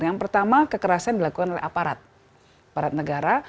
yang pertama kekerasan dilakukan oleh aparat aparat negara